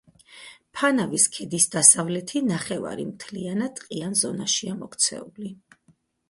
ფანავის ქედის დასავლეთი ნახევარი მთლიანად ტყიან ზონაშია მოქცეული.